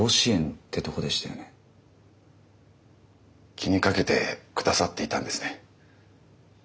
気に掛けてくださっていたんですね。